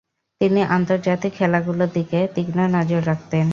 তিনি আন্তর্জাতিক খেলাগুলোর দিকেও তীক্ষ্ণ নজর রাখতেন।